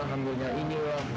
sudah diakui takutin apertura ini